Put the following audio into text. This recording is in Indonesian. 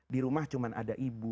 di rumah cuma ada ibu